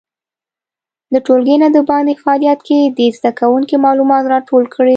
د ټولګي نه د باندې فعالیت کې دې زده کوونکي معلومات راټول کړي.